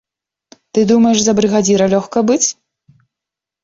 Ты думаеш, за брыгадзіра лёгка быць?